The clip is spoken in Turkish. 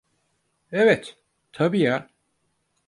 Evet, tabii ya.